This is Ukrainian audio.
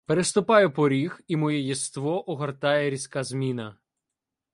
Переступаю поріг, і моє єство огортає різка зміна.